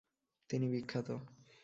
তিনি বিখ্যাত ।